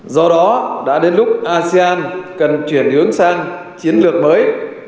do đó đã đến lúc asean cần chuyển hướng sang chiến lược mới